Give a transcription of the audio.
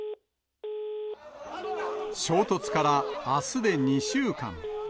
衝突からあすで２週間。